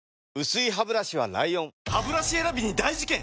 薄いハブラシは ＬＩＯＮハブラシ選びに大事件！